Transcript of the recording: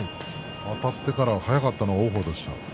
あたってから速かったのは王鵬でした。